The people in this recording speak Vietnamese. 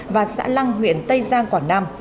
và xã lăng huyện tây giang quảng nam